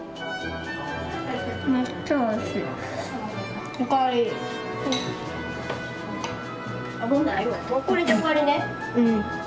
めっちゃおいしい。